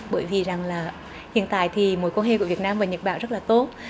bởi vì rằng là hiện tại thì mối quan hệ của việt nam và nhật bản rất là tốt